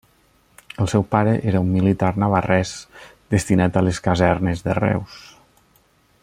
El seu pare era un militar navarrès destinat a les casernes de Reus.